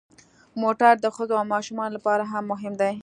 موټر د ښځو او ماشومانو لپاره هم مهم دی.